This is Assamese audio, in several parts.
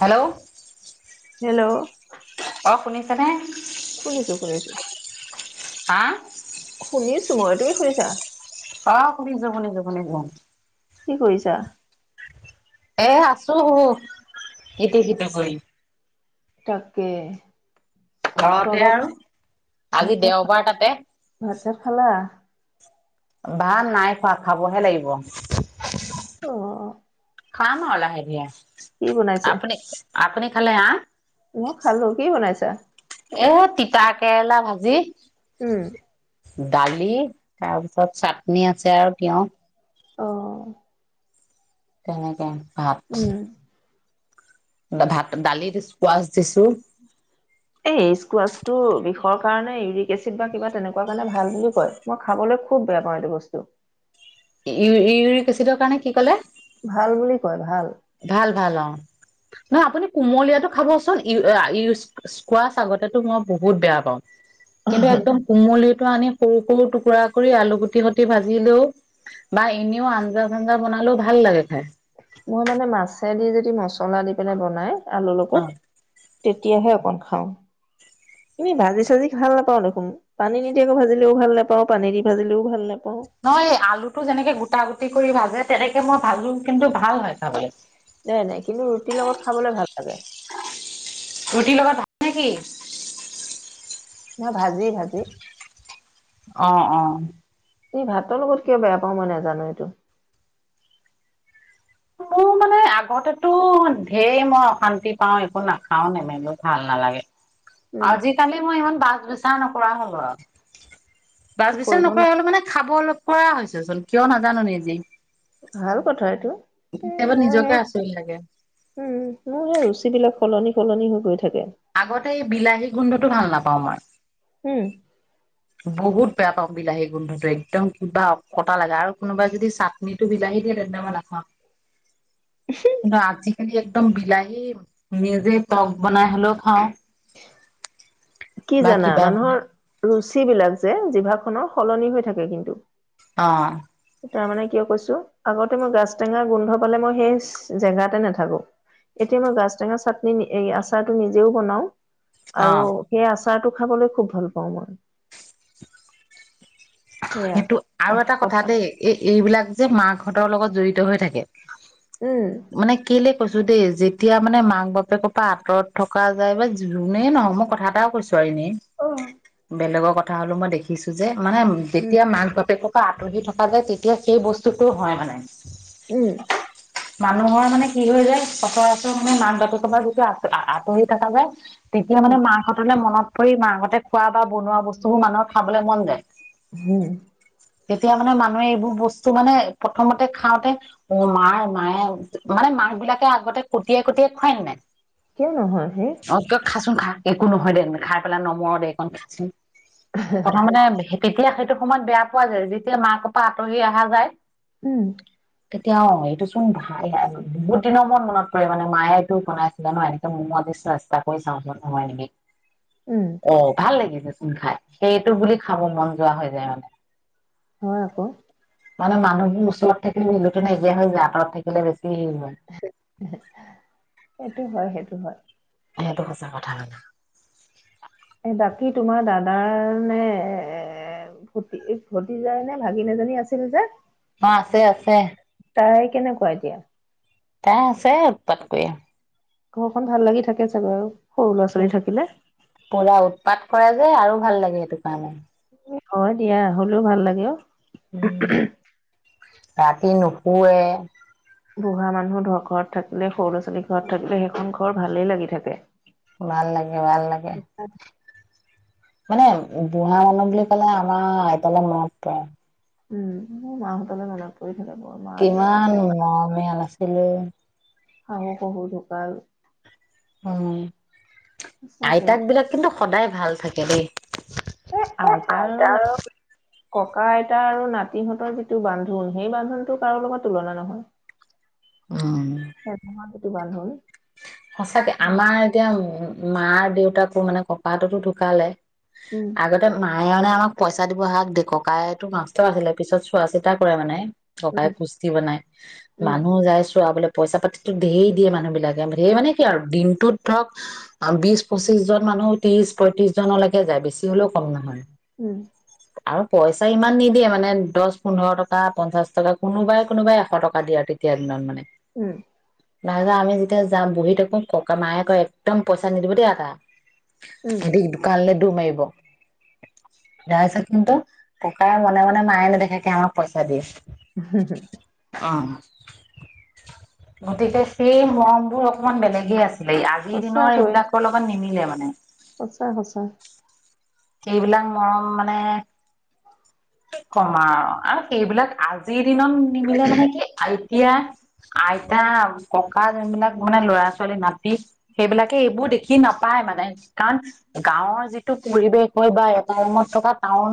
হেল্ল'। হেল্ল'। অ', শুনিছেনে? শুনিছোঁ, শুনিছোঁ, হা শুনিছ টো মই, তুমি শুনিছা? অ', শুনিছোঁ, শুনিছোঁ, শুনিছোঁ। কি কৰিছা? এ আছো হু এতে সতে কৰি। তাকে। খোৱা ঘৰতে বোৱা আৰু আজি দেওবাৰ তাতে। তা ফালা। ভাল নাই খোৱা খাবহে লাগিব। অ', অ'। খাম আৰু লাহে ধীৰে। কি বনাইছে? আপুনি আপুনি খালে? আ? মো খালো, কি বনাইছা? এ তিতা কেৰেলা ভাজি। উম। দালি তাৰপিছত চাটনি আছে আৰু তিয়। অ'। তেনেকে ভাতথ উম ভাত ডালি দিছ স্কোৱাছ চিছো এই স্কোৱাচটো বিষৰ কাৰণে ইউৰিক এচিড বা কিবা তেনেকুৱা কাৰণে ভাল বুলি কয়, মই খাবলৈ খুব বেয়া পাওঁ এইটো বস্তু। ই-ইউৰিক এচিডৰ কাৰণে কি ক'লে? ভাল বুলি কয় ভাল। ভাল ভাল অ' নহ আপুনি কুমলীয়াাতটো খাবচুন ই-ইউজ স্কোৱাছ আগতেতো মই বহুত বেয়া পাওঁ। কিন্তু একদম কুমলিত টো আনি সৰু সৰু টুকুৰা কৰি আলু গুটি সুটি ভাজিলেও, বা এনেও আঞ্জা চঞ্জা বনালেও ভাল লাগে খাই। মই মানে মাছেদি যদি মছলা দি পিনে বনাই। আলুৰ অ লগত। তেতিয়াহে অকন খাওঁ। এনেই ভাজি চাজি ভাল নাপাওঁ দেখোন পানী নিদিয় আকৌ ভাজিলেও ভাল নাপাওঁ পানী দি ভাজিলেও ভাল নাপাওঁ। নহয় আলুটো যেনেকে গোটা গোটা কৰি ভাজে তেনেকে মই ভাজো কিন্তু ভাল হয় চাবলৈ। নাই নাই কিন্তু ৰুটিৰ লগত খাবলৈ ভাল লাগে। নেকি ন অ', অ'। এই ভাতৰ লগত কিয় বেয়া পাওঁ মই নাজানো এইটো। মোৰ মানে আগতেতো ঢেৰ মই অশান্তি পাও একো নাখাও নেমেলো ভাল নালাগে। উম আজ কালি মই ইমান বাছ বিচাৰ নকৰা হ'ল আৰু। বাচ বিচাৰ কৰিব ন নকৰা হলে মানে খাব অলপ কৰা হৈছে চোন কিয় নাজানো নিজি। ভাল কথা এ কেতিয়াবা নিজকে আচৰিত লাগে। কলনি কলনি হৈ গৈ থ। আগতে এই বিলাহী। গোন্ধতটো ভাল নাপাওঁ আমাৰ। উম। বহুত বেয়া পাওঁ বিলাহী গোন্ধটো একদম কিবা কটা লাগে আৰু কোনোবাই যদি চাটনিটো বিলাহী দিয়ে তেন্তে মই নাখাওঁ। ৰাতি। আজি একদম বিলাহী নিজে। টক বনাই হ'লেও খাওঁ। কি বা জানা কিবা বনাই মানুহৰ। ৰুচ বিলাক যে জিভা খনৰ সলনি হৈ থাকে কিন্তু। অ' তাৰ মানে কিয় কৈছো আগতে মই গাছ টেঙা গোন্ধ পালে মই সেই জেগাতে নাথাকো এতিয়া মই গাছ টেঙা চা এই আচাৰটো নিজেও বনাওঁ। অ আৰু সেই আচাৰ আচাৰটো খাবলৈ খুব ভাল পাওঁ মই সেয়া সেইটো আৰু এটা কথা দেই এই এইবিলাক। যে মাকহঁতৰ লগত জড়িত হৈ থাকে। উম মানে কেলে কৈছো দেই যে। এতিয়া মানে মাক বাপেকৰ পৰা আঁতৰত থকা যায় বা যোনেই নহয় মই কথা এটাও কৈছো। এনেই বেলেগৰ কথা কথা হ'লো মই দেখিছো যে মানে। উম যেতিয়া মাক বাপে। আঁতৰি থকা যায় তেতিয়া সেই বস্তুতটো হয় মানে। উম মানুহৰ মানে কি হয় যায় সচৰাচৰ মানে মাক বাতকৰ পৰা যিটো আ আঁতৰি থকা যায়। তেতিয়া উম মানে মাকাহঁতলে মনত। পৰি মাক হতে খোৱা বা বনোৱা বস্তুবোৰ মানুহৰ খাবলৈ মন যায় হম। তেতিয়া মানে মানুহে এইবোৰ বস্তু মানে প্ৰথমতে খাওতে অ' মাৰ মায়ে মানে মাক বিলাকে আগতে কটিয়াই কটিয়াই খুৱাই ন নাই কিয় নহয় সেই অ' ক খাচোন খা একো নহয় দে খাই পেলাই নমৰ দেকণ খাচোন কথা মানে। তেতিয়া সেই সেইটো সময়ত বেয়া পোৱা যায় যেতিয়া মাক কপা আঁতৰি অহা যায় উম, তেতিয়া অ 'এইটো চোন ভাল বহুত দিনৰ মন মনত পৰে মানে মায়ে এইটো বনাইছিলে ন এনেকে মমত দিছো চেষ্টা কৰি চাওঁ নহয় নেকি। উম অ' ভাল লাগিছিল খাই সেইটো বুলি খাব মন যোৱা হয়। [unintelligible] হয় আকৌ, মানে মানুহবোৰ ওচৰত থাকিলে মিলতো নাইকিয়া হৈ যায়, আঁতৰত থাকিলে বেছি হেৰি হয় সেইটো হয়-সেইটো হয়। সেইটো সঁচা কথা মানে। এ বাকী তোমাৰ দাদ তাৰ নে এ ভতিজা নে ভাগিন এজনী আছিল যে? অ' আছে-আছে। তাই কেনেকুৱা এতিয়া? তাই আছে উৎপাত কৰি। ঘৰখন ভাল লাগি থাকে চাগৈ আৰু, সৰু ল'ৰা ও' ছোৱালী থাকিলে পুৰা উৎপাত। কৰে যে আৰু ভাল লাগে সেইটো কাৰণে, অ' দিয়া হলেও ভাল লাগে অ' উম, তাত ই নোশোৱে। বুঢ়া মানুহৰ ঘৰত থাকিলে, সৰু ল'ৰা ছোৱালী ঘৰত থাকিলে সেইখন ঘৰ ভালেই লাগি থাকে। ভাল লাগে, ভাল লাগে। উম মানে বুঢ়া মানুহ বুলি কলে আমাৰ আইতলৈ মনত পৰে। উম, মোৰ মাহঁতলে মত পৰি অ' কিমান মৰমীয়াল আছিলে। শাহু-শহু ঢুকাল, উম, সঁচাকে আইতাক বিলাক কিন্তু সদায় ভাল, থাকে দেই, এ' আইতা ককা-আইতা আৰু নাতিহঁতৰ যিটো বান্ধোন, সেই বান্ধোনটো কাৰো লগত তুলনা নহয়। উম, ভাল হ'ল। সঁচাকে আমাৰ এতিয়া উ, মাৰ দেউতাকো মানে ককাটোতো ঢুকালে। আগতে মা মায়ে মানে আমাক পইচা দিব হাগ দিয়ে, ককাতো মাষ্টৰ আছিলে, পিছত চোৱা চিতা কৰে মানে। ককাই উম কুষ্টি বনাই, উম মানুহ যাই চোৱাবলে। পইচাপাতিতো ধেই দিয়ে মানুহ বিলাকে। ধেৰ মানে কি আৰু দিনটোত ধৰক বিশ পঁচিশজন মানুহ ত্ৰিশ পয়ত্ৰিশজনলৈকে যায় বেছি হলেও কম নহয়। উম', আৰু পইচা ইমান নিদিয়ে মানে দহ পোন্ধৰ টকা পঞ্চাশ টকা কোনোবাই - কোনোবাই এশ টকা দিয়ে আৰু তেতিয়াৰ দিনত মানে। উম', নাই ন আমি যেতিয়া। যা বুহীতো ককা মায়ে কয় একদম পইচা নিদিব দেই এটা। উম অধিক দোকানলৈ দু মাৰিব তাৰ পিছত কিন্তু ককাই মনে মনে মায়ে নেদেখাকে আমাক পইচা দিয়ে। হ -হ অহ ', গতিকে সেই হ তোৰ অকনমান বেলেগে আছে। আজিৰ দিনৰ সঁচাকৈ এইবিলাকৰ লগত নিমিলে মানে। উম ', সঁচা- সঁচা সেইবিলাক মৰম মানে। কমা আৰু সেইবিলাক আজি। দিনত নিমিলে মানে কি আহ ', এতিয়া আইতা ককা যোনবিলাক মানে ল'ৰা ছোৱালী নাতি সেইবিলাকে এইবোৰ দেখি কি নাপায় মানে। কাৰণ গাঁৱৰ যিটো পৰিৱেশ হয় বা এটামত থকা টাউন।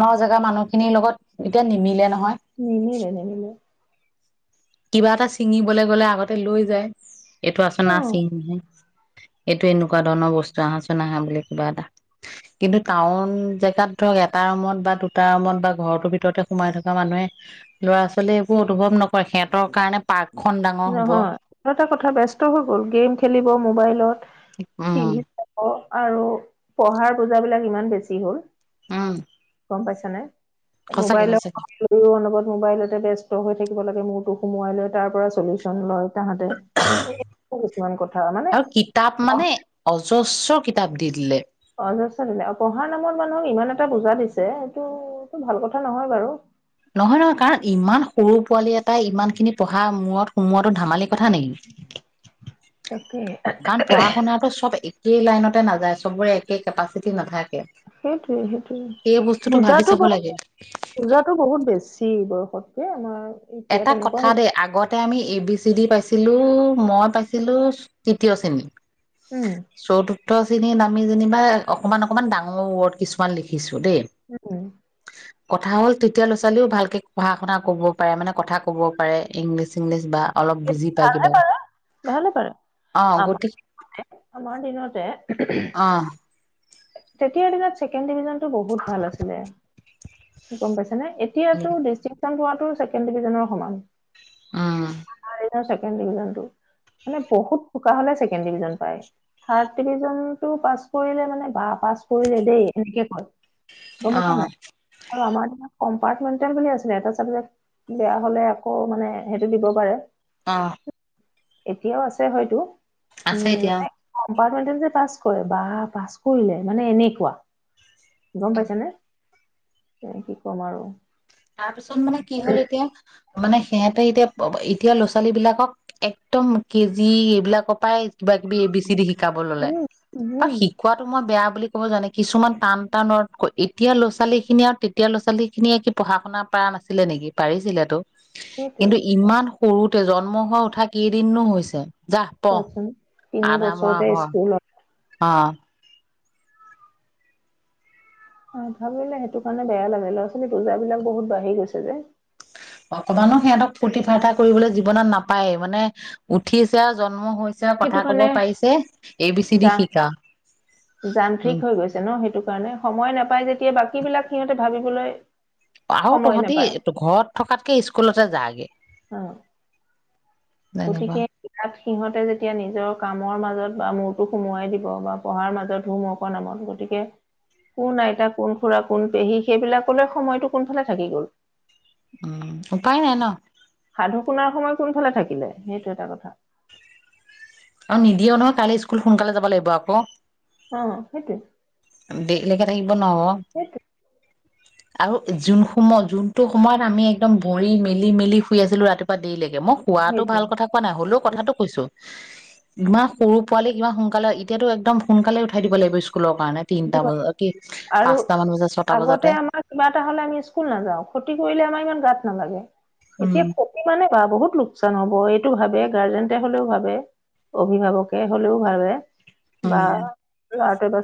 ন জেগা মানুহখিনিৰ লগত এতিয়া নিমিলে নহয়। নিমিলে - নিমিলে। কিবা এটা ছিঙিবলে গ'লে আগতে লৈ যায়। এইটো আচে না উম, চিনং হি। এইটো এনেকুৱা ধৰণৰ বস্তু আহাচুন না বুলি কিবা এটা কিন্তু টাউন জেগাত ধৰক এটা ৰুমত বা দুটা ৰুমত বা ঘৰৰতৰ ভিতৰতে সোমাই থকা মানুহে ল'ৰা ছোৱালীয়ে একো অনুভৱ নকৰে সিহঁত। তৰ কাৰণে পাগলা নহয় আৰু এটা কথা ব্যস্ত হৈ গ'ল গেম খেলিব মোবাইলত। উম', টিভি চাব আৰু পঢ়াৰ বুজাাবলাক ইমান বেছি হ'ল। উম ', আৰু গম পাইছা নে? মোবাইলৰও অনবত মোবাইলতে ব ব্যস্ত হৈ থাকিব লাগে। মূৰতটো সোমোৱাই লৈ তাৰ পৰা। চলিউচন লয়। তাহাঁতে কিছুমান কথা মানে অহ ', যজস কিতাপ দি দিলে। অজস্ৰ দিলে অহ ', পঢ়াৰ নামত মানুহক ইমান এটা বুজা দিছে এইটো - এইটো ভাল কথা নহয় বাৰু। নহয়- নহয় কাৰণ ইমান সৰু পোৱালি এটাই ইমান খিনি পঢ়া মূৰত সোমোৱতো ধেমালি। কথা নেকি তাকে। কাৰণ পঢ়া শুনাটো চব একেই লাইনতে নাযায় চবৰে সেই কেপাচিটি নাথাকে। সেইটোৱে সেইটোয়ে, সেই বস্তুটো ভাবি বুজাতো চাব বাও লাগে বুজাতো বহুত বেছি। যি বয়সতকৈ আমাৰ এতিয়া এটা তেনেকুৱা কথা হৈছে দেই আগতে আমি A B C C D পাইছিলো মই পাইছিলো তৃতীয় শ্ৰেণী উম। চতুৰ্থ আমি যেনিবা অকনমান অকমান ডাঙৰ ওৰ্ড কিছুমান লিখিছোঁ দেই। উম কথা হ'ল তেতিয়া ল'ৰা-ছোৱালীও ভালকে পঢ়া শুনা কব পাৰে মানে কথা ক'ব পাৰে ইংলিছ চিংলিছ বা অলপ বুজি পায় ভালহে কিবা পালা, ভালে পালো অ আমাৰ গতিক আমাৰ দিনতে অ তেতিয়াৰ দিনত ছেকেণ্ড ডিভিজন বহুত ভাল আছিলে গম পাইছো এতিয়াটো ডিসট্ৰিং পোৱাটো ছেকেণ্ড ডিভিজনৰ সমান। উম আমাৰ ছেকেণ্ড ডিভিজনটো, মানে বহুত চোকা হ'লে ছেকেণ্ড ডিভিজন পায়। থাৰ্দ ডিভিজনটো পাছ কৰিলে কৰিলে দেই এনেকে কয়, গম অ পাইছা নাই? আৰু আমাৰ কম্পাৰ্টমেণ্টেল বুলি আছিলে এটা চাবজেক্ট বেয়া হলে আকৌ মানে সেইটো দিব পাৰে। আহ এতিয়াও আছে হয়তো আছে উম এতিয়া। মানে পাছ কৰে বা পাছ কৰিলে মানে এনেকুৱা গম পাইছ নে? [inaudible] তেনে কি কম আৰু তাৰপিছত মানে কি হ'ল এতিয়া মানে সেতে এতিয়া এতিয়া ল' ছোৱালীবিলাকক একদম কেজি এইবিলাকৰ পাই কিবা কিবি এ বি চি দি শিক শিকাব ললে উম আৰু উম শিকোৱাতো মই বেয়া বুলি ক'ব জানে কিছুমান টান টান ৱৰ্ড কৈ এতিয়া ল'ৰা ছোৱালীখিনি আৰু তে এতিয়া ল'ৰা ছোৱালীখিনিয়ে পঢ়া শুনা পাৰা নাছিলে নেকি? পাৰিছিলেতো। সেইটোৱে কিন্তু ইমান সৰুতে জন্ম হৈ উঠা কেইদিননো হৈছে যাহ পঢ় ত তিনি আধা মৰা বছৰতে হয় স্কুলত অ অ ভাবিলে সেইটো কাৰণে বেয়া লাগে ল'ৰা ছোৱালী পূজাবলাক বহুত বাঢ়ি গৈছে যে অকমানো সিহঁতক ফূৰ্তি ফাৰ্তা কৰিবলৈ জীৱনত নাপায় মানে উঠিছে আৰু জন্ম আৰু কথা সেইটো কব কাৰণে পাৰিছে এ বি চি ডি যা শিকা উম যান্ত্ৰিক হৈ গৈছে ন সেইটো কাৰণে সময় নাপাই যেতিয়া বাকী বিলাক সিহঁতে ভাবিবলৈ আহ সময় তহঁতি নাপায় ঘৰত থকাতকে স্কুলতে যাগে অ যেনেকুৱা গতিকে ইয়াত সিহঁতে যেতিয়া নিজৰ কামৰ মাজত বা মূৰটো সোমোৱাই দিব বা পঢ়াৰ মাজত ধো মকৰ নামত গতিকে কোন আইতা কোন খুৰা কোন পেহী সেইবিলাকলে সময়তটো কোনফালে থাকি গ'ল উম উপ উপাই ন ন সাধু শুনাৰ সময় কোনফালে থাকিলে সেইটো এটা কথা আৰু নিদিয় নহয় কাইলৈ স্কুল সোনকালে যাব লাগিব পাপো অ সেইটো েই লে বনোৱা আৰু যোন সময় যোনটো সময়ত আমি একদম ভৰি মেলি মেলি শুই আছিলো ৰাতিপুৱা দেৰি লকে মই শোৱাাতো সেইটোৱে ভাল কথা কোৱা নাই হলেও উম কথাটো কৈছো ইমান সৰু পোৱালি কিিবা সোনকালে এতিয়াতো একদম সোনকালে উঠাই দিব লাগিব স্কুল আৰু পাঁচটা মান বজাত ছটা বজাতে আগতে আমাৰ কিবা এটা হলে আমি স্কুল নাযাও ক্ষতি কৰিলে আমাৰ ইমান গাত নালাগে এতিয়া উম ক মানে বা বহুত লোকচান হব এইটো ভাবে গাৰ্জেন হলেও ভাবে অভিভাৱকে হলেও ভাবে বা ব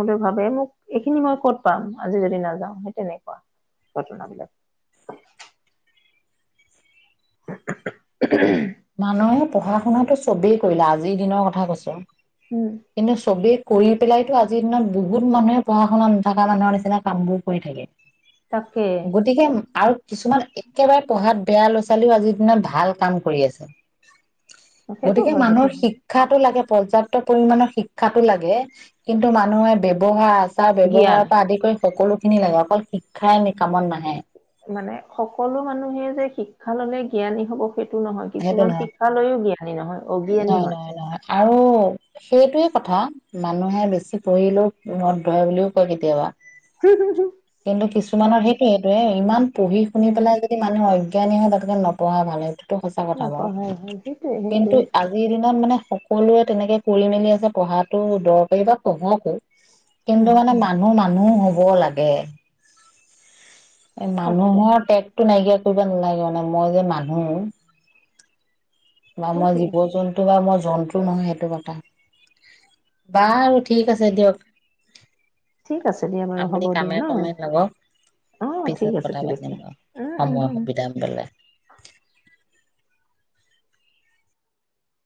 হলেও ভাবে মোক এইখিনি মই ক'ত পাম আজি যদি নাযাও সেই তেনেকুৱা ঘটনাবলাক মানুহে পঢ়া শুনাো চবেই কৰিলা আজিৰ দিনৰ কথা কৈছো উম কিনেু চবেই কৰি পেলাই আজিৰ দিনত বহুত মানুহে পঢ়া শুনা নথকা মানুহ নিচনা কাম বোৰ কৰি থাকে তাকে গতিকে আৰু কিছুমান একেবাৰে পঢ়াত বেয়া ল'ৰা ছোৱালীও আজিৰ দিনা ভাল কাম কৰি আছে হয় সেইটো গতিকে হয় সেইটো মানুহৰ হয় শিক্ষাটো লাগে পৰ্যাপ্ত পৰিমণৰ শিক্ষাটো লাগে কিন্তু মানুহে ব্য়ৱহাৰ আছে চাৰ জ্ঞান ব্যৱহাৰৰ পৰা আদি কৰি সকলোখিনি লাগে অকল শিক্ষাই কামত নাহে মানে সকলো মানুহে যে শিক্ষা ললে জ্ঞানী হব সেইটো টো নহয় সেইটো কিছুমান নহয় শিক্ষা লৈও জ্ঞানী নহয় অজ্ঞানী নহয় হয়। নহয় নহয় আৰু সেইটোৱে কথা মানুহে বেছি পঢ়িলেও মূৰত ধৰে বুলিও কয় কেতিয়াবা। কিন্তু কিছুমানৰ হয় সেইটো এইটোয়ে ইমান পঢ়ি শুনি উম পেলাই যদি মানুহ হয়। জ্ঞানী হল বৰ্তমান নপঢ়া মানুহ টো টো সঁচা কথা বাৰু, নপঢ়াই হ'ল সেইটোৱে কিন্তু সেইটোৱে আজিৰ দিনত মানে সকলোৱে তেনেকে কৰি মেলি আছে পঢ়াটো দৰকাৰী বা পঢ়োৱা টো। উম কিন্তু মানে মানুহ মানুহ হ'ব হব লাগে। তাকে মানুহৰ ট টো নাইকিয়া কৰিব নালাগে মানে মই যে মানুহ। বা মই সেইটোৱে জীৱ জন্তু বা মই জন্তু নহয় সেইটো কথা বাৰু ঠিক আছে দিয়ক। ঠিক আছে দিয়া বাৰু আপুনি হ'ব দিয়া কামে ন, কমে লাগক অ পিছত ঠিক আছে, কথা ঠিক পাতিম আছে, বাৰু। উম সময় উমম। সুবিধা মিলাই।